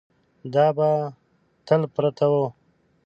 دا به تل پرته وه.